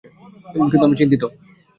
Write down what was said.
কিন্তু আমি চিন্তিত।